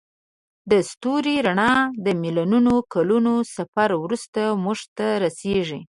د ستوري رڼا د میلیونونو کلونو سفر وروسته موږ ته رسیږي.